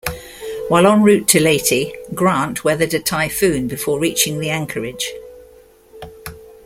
While en route to Leyte, "Grant" weathered a typhoon before reaching the anchorage.